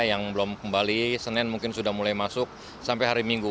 yang belum kembali senin mungkin sudah mulai masuk sampai hari minggu